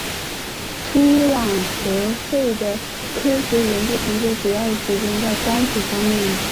夫琅和费的科学研究成果主要集中在光谱方面。